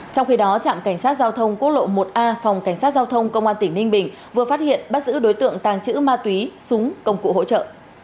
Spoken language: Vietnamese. trong khi đó trạm cảnh sát giao thông quốc lộ một a phòng cảnh sát giao thông công an tỉnh ninh bình vừa phát hiện bắt giữ đối tượng tàng trữ ma túy súng công cụ hỗ trợ